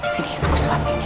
sini aku suaminya